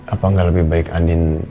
apa nggak lebih baik andin